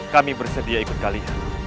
kami bersedia ikut kalian